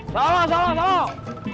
salah salah salah